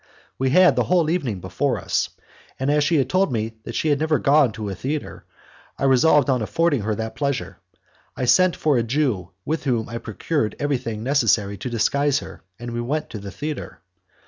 We had the whole evening before us, and as she had told me that she had never gone to a theatre, I resolved on affording her that pleasure. I sent for a Jew from whom I procured everything necessary to disguise her, and we went to the theatre.